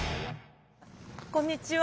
こんにちは。